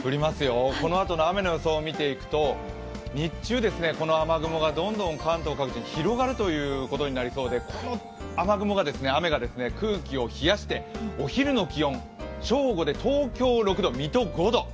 このあとの雨の予想を見てみますと日中、この雨雲がどんどん関東各地に広がることになりそうで、この雨が空気を冷やしてお昼の気温、正午で東京６度、水戸５度。